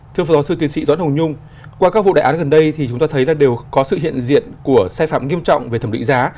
thưa phó giáo sư tiến sĩ doãn hồng nhung qua các vụ đại án gần đây thì chúng ta thấy là đều có sự hiện diện của sai phạm nghiêm trọng về thẩm định giá